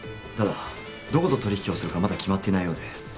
ただどこと取引をするかまだ決まっていないようで。